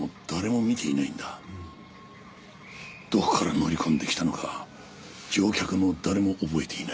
どこから乗り込んできたのか乗客の誰も覚えていない。